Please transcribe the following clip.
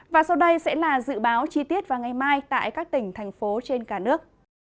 và sau đây sẽ là dự báo chi tiết vào ngày mai tại các tỉnh thành phố trên cả nước